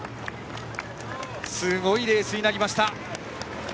すごいレースになりました！